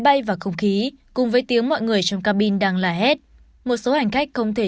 bay vào không khí cùng với tiếng mọi người trong cabin đang là hết một số hành khách không thể